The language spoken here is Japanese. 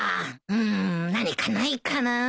うーん何かないかなあ。